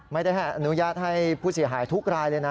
ไม่ได้อนุญาตให้ผู้เสียหายทุกรายเลยนะ